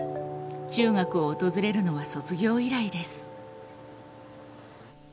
中学を訪れるのは卒業以来です。